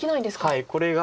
はいこれが。